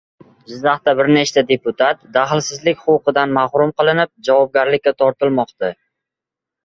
Jizzaxda bir nechta deputat «daxlsizlik huquqi»dan mahrum qilinib, javobgarlikka tortilmoqda